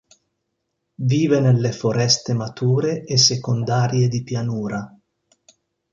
Vive nelle foreste mature e secondarie di pianura.